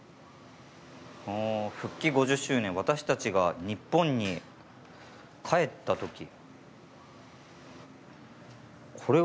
復帰５０周年私たちが「日本」にかえったとき。